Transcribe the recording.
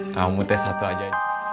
kamu tes satu aja